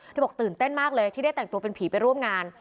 บอกตื่นเต้นมากเลยที่ได้แต่งตัวเป็นผีไปร่วมงาน